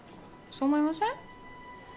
そう思いません？